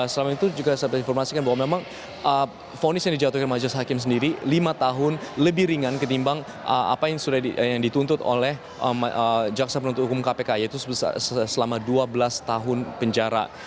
selama itu juga saya berinformasikan bahwa memang fonis yang dijatuhkan majelis hakim sendiri lima tahun lebih ringan ketimbang apa yang sudah dituntut oleh jaksa penuntut hukum kpk yaitu selama dua belas tahun penjara